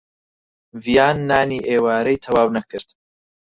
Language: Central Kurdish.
ڤیان نانی ئێوارەی تەواو نەکرد.